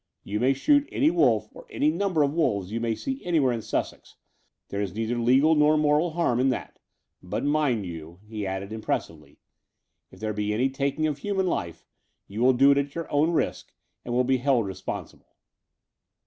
You may shoot any wolf or any number of wolves you may see anywhere in Sussex — there is neither legal nor moral harm in that. But, mind you," he added impressively, if there be any taking of human life, you will do it at your own risk, and will be held responsible."